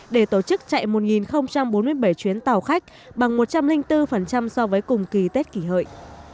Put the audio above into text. để tổ chức chạy một bốn mươi bảy chuyến tàu khách bằng một trăm linh bốn so với cùng kỳ tết kỷ hợi